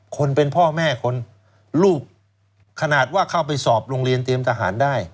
คนเป็นพ่อแม่คนลูกขนาดว่าเข้าไปสอบโรงเรียนเตรียมทหารได้